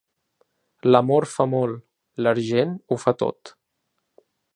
L'amor fa molt, l'argent ho fa tot.